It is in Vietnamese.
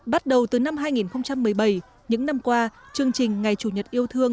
bắt đầu từ năm hai nghìn một mươi bảy những năm qua chương trình ngày chủ nhật yêu thương